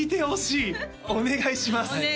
お願いします